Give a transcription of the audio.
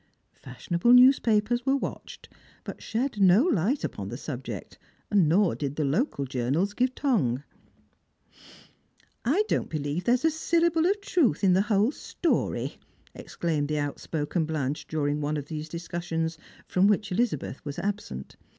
Fashionable newspapers were watched, but shed no light ^\pon the subject, nor did the local journals give tongue. " 1 don't believe there's a syllable of truth in the whole ^tory," exclaimed the outspoken Blanche during one of these discussions, from which Elizabeth was absent.